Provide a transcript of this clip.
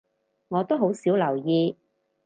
我都好少留意